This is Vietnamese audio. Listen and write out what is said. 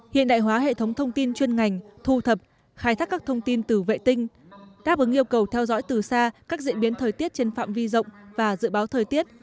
hiện đại hóa hệ thống thông tin chuyên ngành thu thập khai thác các thông tin từ vệ tinh đáp ứng yêu cầu theo dõi từ xa các diễn biến thời tiết trên phạm vi rộng và dự báo thời tiết